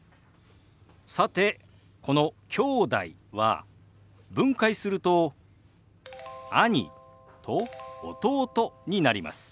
さてこの「きょうだい」は分解すると「兄」と「弟」になります。